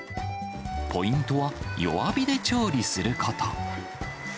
ポイントは、弱火で調理すること。